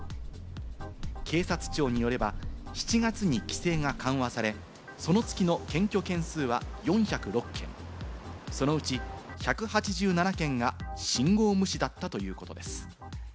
警察庁によれば、７月に規制が緩和され、その月の検挙件数は４０６件、そのうち１８７件が信号無視だったということです。